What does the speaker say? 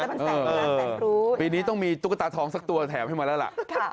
มันแสนรู้ปีนี้ต้องมีตุ๊กตาทองสักตัวแถมให้มาแล้วล่ะ